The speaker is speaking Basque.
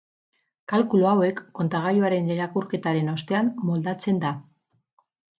Kalkulu hauek kontagailuaren irakurketaren ostean moldatzen da.